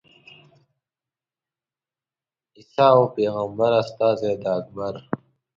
عیسی وو پېغمبر استازی د اکبر.